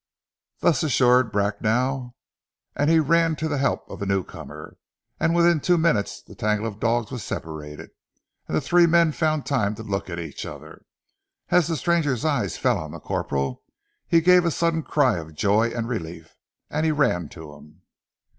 Thus assured Bracknell and he ran to the help of the new comer, and within two minutes the tangle of dogs was separated, and the three men found time to look at each other. As the stranger's eyes fell on the corporal, he gave a sudden cry of joy and relief, and ran to him.